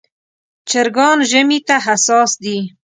چرګان ژمي ته حساس دي.